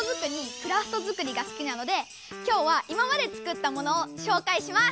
クラフト作りがすきなので今日は今まで作ったものをしょうかいします！